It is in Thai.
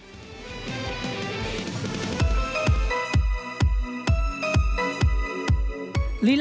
สวัสดีครับ